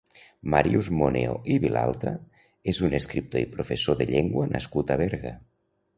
Màrius Moneo i Vilalta és un escriptor i professor de llengua nascut a Berga.